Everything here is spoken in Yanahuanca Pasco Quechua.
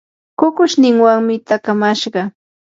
kukushninwanmi taakamashqa.